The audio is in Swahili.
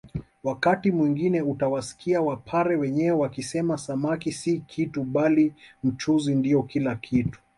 Wakati mwingine utawasikia wapare wenyewe wakisema samaki si kitu bali mchuzi ndio kila kitu